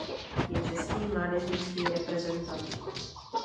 Je český mládežnický reprezentant.